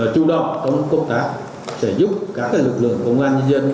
chủ động trong công tác sẽ giúp các lực lượng công an nhân dân